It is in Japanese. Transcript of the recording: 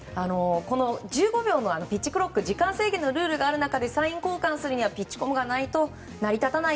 １５秒のピッチクロック時間制限のルールがある中でサイン交換するにはピッチコムがないと成り立たない。